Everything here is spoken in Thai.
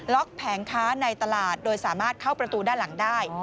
แผงค้าในตลาดโดยสามารถเข้าประตูด้านหลังได้